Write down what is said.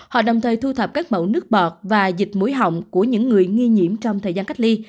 họ đồng thời thu thập các mẫu nước bọt và dịch mũi họng của những người nghi nhiễm trong thời gian cách ly